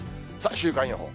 週間予報。